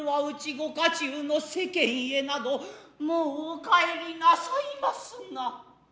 御家中の世間へなどもうお帰りなさいますな。